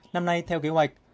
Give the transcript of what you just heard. năm nay theo kế hoạch